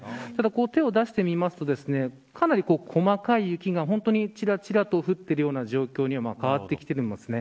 手を出してみますとかなり細かい雪が本当に、ちらちらと降っているような状態、状況に変わってきています。